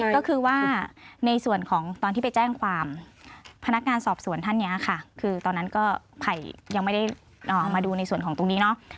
ก็คือว่าในส่วนของตอนที่ไปแจ้งความพนักงานสอบสวนท่านนี้ค่ะคือตอนนั้นก็ไผ่ยังไม่ได้มาดูในส่วนของตรงนี้เนาะ